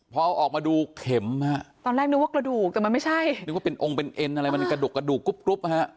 พอเอาออกมาดูเข็มฮะตอนแรกนึกว่ากระดูกแต่มันไม่ใช่นึกว่าเป็นองค์เป็นเอ็นอะไรมันกระดกกระดูกกรุ๊ปฮะ